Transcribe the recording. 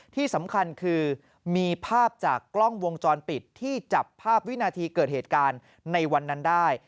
ที่สำคัญคือมีภาพจากกล้องวงจรปิดที่จับภาพวินาทีเกิดเหตุการณ์ในวันนั้นได้